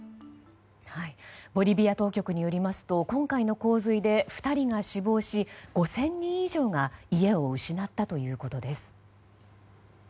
ボリビア当局によりますと今回の洪水で２人が死亡し、５０００人以上が家を失ったということです。